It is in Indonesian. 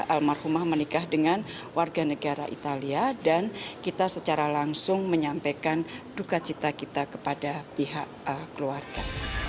almarhumah menikah dengan warga negara italia dan kita secara langsung menyampaikan duka cita kita kepada pihak keluarga